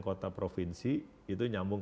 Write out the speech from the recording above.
kota provinsi itu nyambung